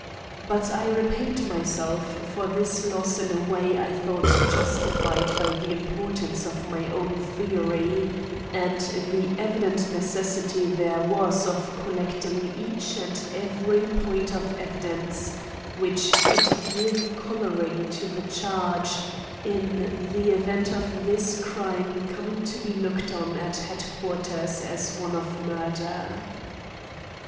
But I repaid myself for this loss in a way I thought justified by the importance of my own theory and the evident necessity there was of collecting each and every point of evidence which could give coloring to the charge, in the event of this crime coming to be looked on at headquarters as one of murder.